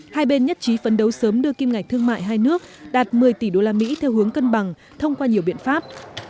hai bên nhất trí phấn đấu sớm đưa kim ngạch thương mại hai nước đạt một mươi tỷ usd theo hướng cân bằng thông qua nhiều biện pháp